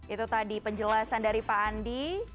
itu tadi penjelasan dari pak andi